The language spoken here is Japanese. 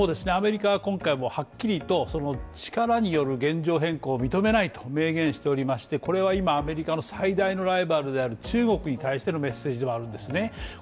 アメリカは今回もはっきりと力による現状変更を認めないと明言しておりましてこれは今、アメリカの最大のライバルでもある中国に対してのメッセージでもあるんですね。